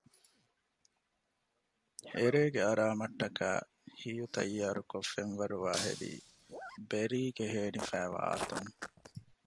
އެރޭގެ އަރާމަށް ޓަކައި ހިޔު ތައްޔާރުކޮށް ފެންވަރުވާ ހެދީ ބެރީ ގެ ހޭނިފައިވާ އަތުން